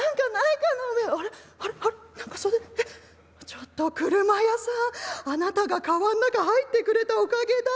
ちょっと俥屋さんあなたが川の中入ってくれたおかげだ。